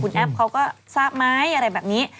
แอปเขาก็ทราบไหมอะไรแบบนี้